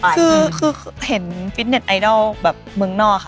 คือเห็นฟิตเน็ตไอดอลแบบเมืองนอกค่ะ